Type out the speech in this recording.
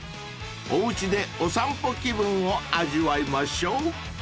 ［おうちでお散歩気分を味わいましょう］